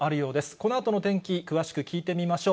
このあとの天気、詳しく聞いてみましょう。